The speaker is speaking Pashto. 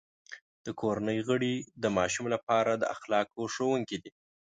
د کورنۍ غړي د ماشوم لپاره د اخلاقو ښوونکي دي.